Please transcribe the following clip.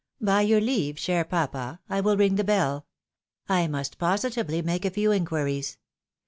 By your leave, cher papa ! I will ring the bell. I must positively make a few inquiries.